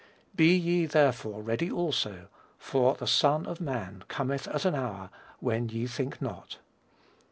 "Be ye therefore ready also: for the Son of man cometh at an hour when ye think not."